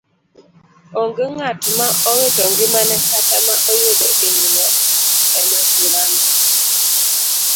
Onge ng'at ma owito ngimane kata ma oyudo inyruok e masirano.